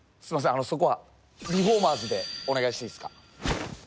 あのそこは「リフォーマーズ」でお願いしていいですか？